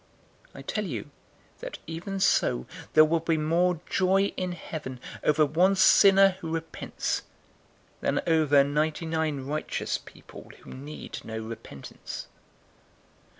015:007 I tell you that even so there will be more joy in heaven over one sinner who repents, than over ninety nine righteous people who need no repentance.